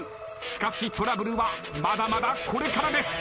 しかしトラブルはまだまだこれからです。